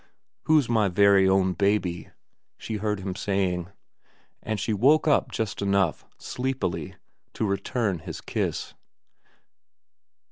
' Who's my very own baby ?' she heard him saying ; and she woke up just enough sleepily to return his kiss.